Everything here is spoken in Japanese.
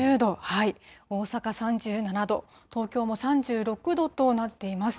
大阪３７度、東京も３６度となっています。